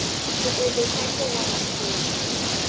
It is a Title One school.